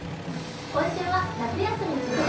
今週は夏休み直前！